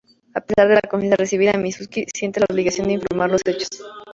A pesar de la confianza recibida, Mizuki siente la obligación de informar los hechos.